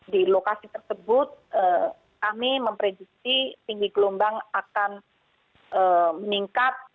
di lokasi tersebut kami memprediksi tinggi gelombang akan meningkat